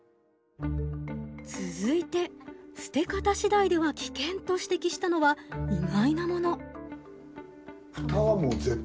続いて「捨て方次第では危険！」と指摘したのは意外なもの。